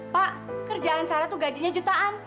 pak kerjaan sana tuh gajinya jutaan